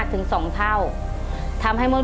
เพื่อร้องได้ให้ร้าง